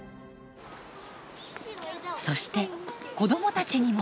そして子どもたちにも。